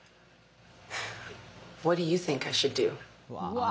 うわ。